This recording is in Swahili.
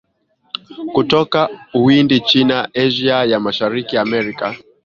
kutoka Uhindi China Asia ya Mashariki Amerika